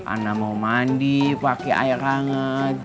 anda mau mandi pakai air hangat